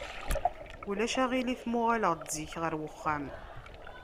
Ulac aɣilif ma uɣaleɣ-d zik ɣer uxxam?